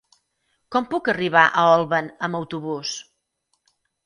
Com puc arribar a Olvan amb autobús?